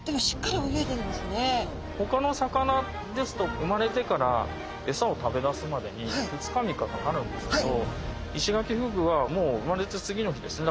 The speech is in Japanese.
ほかの魚ですと生まれてからえさを食べだすまでに２日３日かかるんですけどイシガキフグはもう生まれて次の日ですね。